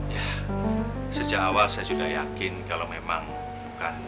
ya sejak awal saya juga yakin kalau memang bukan